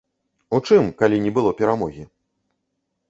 У чым, калі не было перамогі?